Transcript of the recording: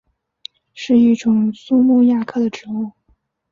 是一种苏木亚科的植物。